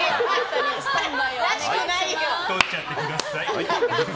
撮っちゃってください。